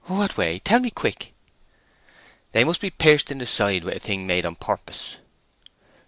"What way? Tell me quick!" "They must be pierced in the side with a thing made on purpose."